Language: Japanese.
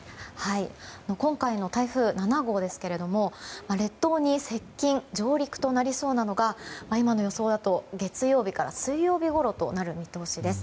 今回の台風７号ですが、列島に接近・上陸となりそうなのが今の予想だと月曜日から水曜日ごろとなる見通しです。